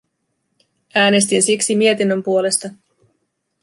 Äänestin siksi mietinnön puolesta.